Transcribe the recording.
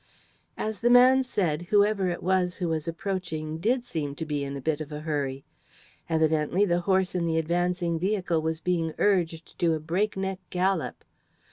As the man said, whoever it was who was approaching did seem to be in a "bit of a hurry." Evidently the horse in the advancing vehicle was being urged to a breakneck gallop.